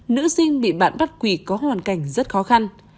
nữ sinh bị bạn bắt quỳ có hoàn cảnh rất khó khăn